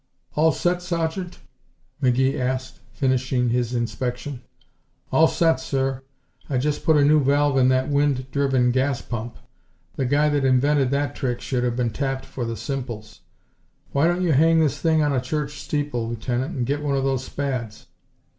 "All set, Sergeant?" McGee asked, finishing his inspection. "All set, sir. I just put a new valve in that wind driven gas pump. The guy that invented that trick should have been tapped for the simples. Why don't you hang this thing on a church steeple, Lieutenant, and get one of those Spads?"